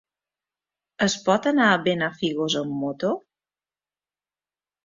Es pot anar a Benafigos amb moto?